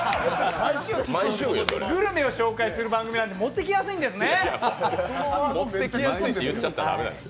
グルメを紹介する番組なんで持ってきやすいんですね。